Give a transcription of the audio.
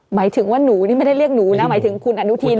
หมายถึงว่าหนูนี่ไม่ได้เรียกหนูนะหมายถึงคุณอนุทิน